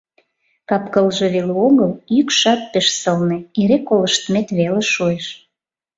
Кап-кылже веле огыл, йӱкшат пеш сылне, эре колыштмет веле шуэш.